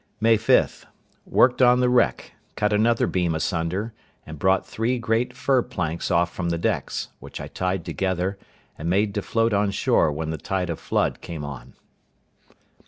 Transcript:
May 5.—Worked on the wreck; cut another beam asunder, and brought three great fir planks off from the decks, which I tied together, and made to float on shore when the tide of flood came on.